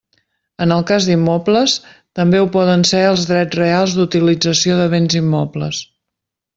En el cas d'immobles, també ho poden ser els drets reals d'utilització de béns immobles.